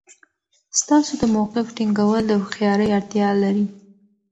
ستاسو د موقف ټینګول د هوښیارۍ اړتیا لري.